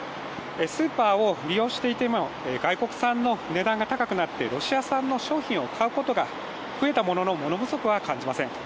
スーパーを利用していても、外国産の値段が高くなってロシア産の商品を買うことが増えたもののモノ不足は感じません。